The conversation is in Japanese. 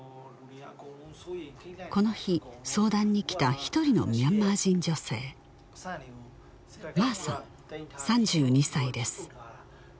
この日相談に来た１人のミャンマー人女性マーさん３２歳です